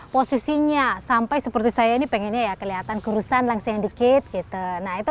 posisinya sampai seperti saya ini pengennya ya kelihatan kurusan langsung dikit gitu nah itu